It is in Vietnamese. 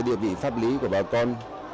địa vị pháp lý của bà con